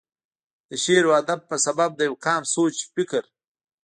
دَ شعر و ادب پۀ سبب دَ يو قام سوچ فکر،